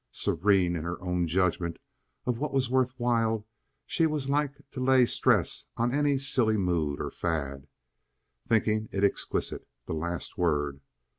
Serene in her own judgment of what was worth while, she was like to lay stress on any silly mood or fad, thinking it exquisite—the last word.